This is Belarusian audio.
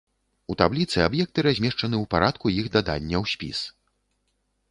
У табліцы аб'екты размешчаны ў парадку іх дадання ў спіс.